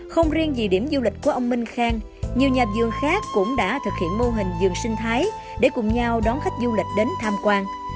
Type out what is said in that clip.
không riêng vì điểm du lịch của ông minh khang nhiều nhà dường khác cũng đã thực hiện mô hình dường sinh thái để cùng nhau đón khách du lịch đến tham quan